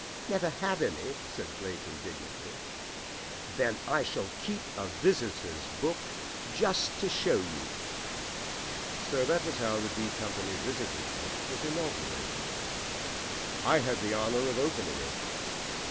"Never have any!" said Blake indignantly. "Then I shall keep a visitors' book just to show you." So that was how the D Company Visitors' Book was inaugurated. I had the honour of opening it.